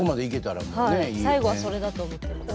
はい最後はそれだと思ってます。